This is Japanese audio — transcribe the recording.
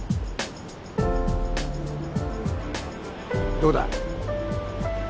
どうだ？